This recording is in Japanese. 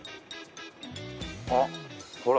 あっほら。